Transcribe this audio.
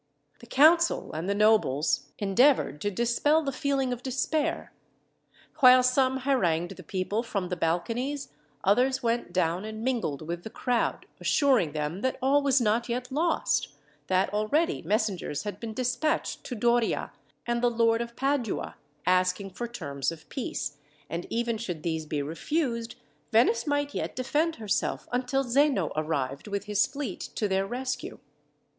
The council and the nobles endeavoured to dispel the feeling of despair. While some harangued the people from the balconies, others went down and mingled with the crowd, assuring them that all was not yet lost, that already messengers had been despatched to Doria, and the Lord of Padua, asking for terms of peace; and even should these be refused, Venice might yet defend herself until Zeno arrived, with his fleet, to their rescue.